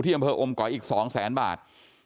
ที่อำเภออมเกาะอีก๒๐๐๐๐๐บาท